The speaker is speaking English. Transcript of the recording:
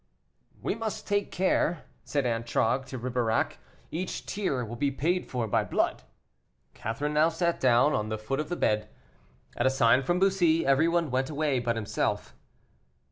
"We must take care," said Antragues to Ribeirac, "each tear will be paid for by blood." Catherine now sat down on the foot of the bed. At a sign from Bussy everyone went away but himself.